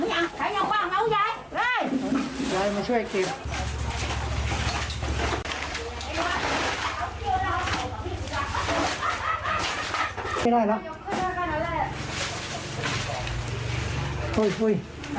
อุ้ยอุ้ย